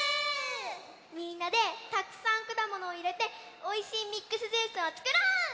みんなでたくさんくだものをいれておいしいミックスジュースをつくろう！